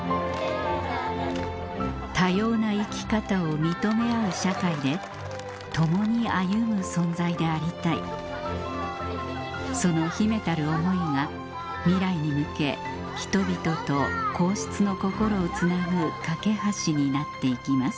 多様な生き方を認め合う社会で共に歩む存在でありたいその秘めたる思いが未来に向け人々と皇室の心をつなぐ架け橋になっていきます